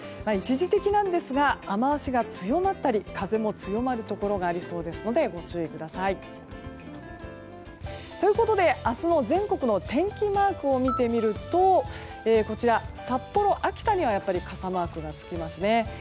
一時的なんですが雨脚が強まったり風も強まるところがありそうですのでご注意ください。ということで、明日の全国の天気マークを見てみると札幌、秋田には傘マークがつきますね。